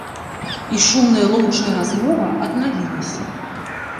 І шумная лоўчая размова аднавілася.